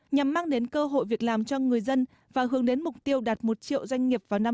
nhằm mang đến cơ hội việc làm cho người dân và hướng đến mục tiêu đạt một triệu doanh nghiệp vào năm hai nghìn hai mươi